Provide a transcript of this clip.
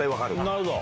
なるほど！